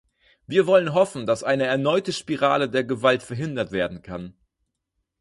Wir wollen hoffen, dass eine erneute Spirale der Gewalt verhindert werden kann.